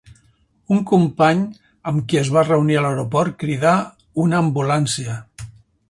Un company amb qui es va reunir a l'aeroport cridà una ambulància.